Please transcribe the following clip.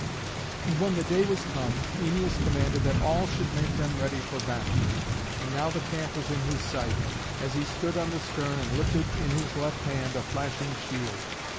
And when the day was come, Æneas commanded that all should make them ready for battle. And now the camp was in his sight, as he stood on the stern and lifted in his left hand a flashing shield.